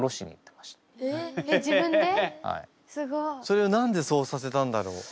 すごい。それは何でそうさせたんだろう？